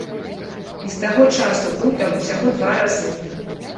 І з таго часу быў там усяго два разы.